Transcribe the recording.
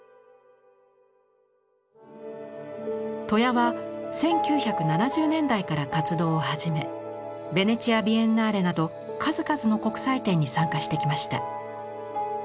戸谷は１９７０年代から活動を始めヴェネチア・ビエンナーレなど数々の国際展に参加してきました。